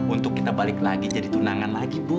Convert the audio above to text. untuk kita balik lagi jadi tunangan lagi bu